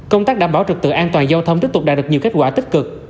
công tác đảm bảo trực tự an toàn giao thông tiếp tục đạt được nhiều kết quả tích cực